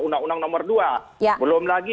undang undang nomor dua belum lagi